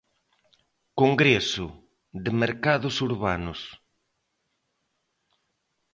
Congreso de Mercados Urbanos.